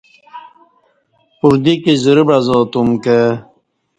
پردیکی زرہ بعزا تم کہ